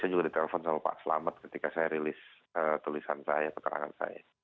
saya juga ditelepon sama pak selamat ketika saya rilis tulisan saya keterangan saya